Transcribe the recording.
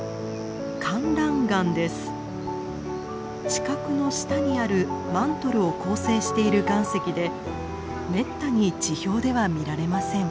地殻の下にあるマントルを構成している岩石でめったに地表では見られません。